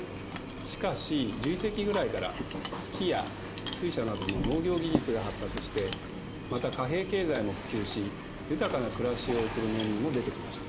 しかし１１世紀ぐらいからすきや水車などの農業技術が発達してまた貨幣経済も普及し豊かな暮らしを送る農民も出てきました。